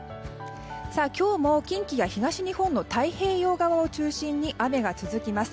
今日も近畿や東日本の太平洋側を中心に雨が続きます。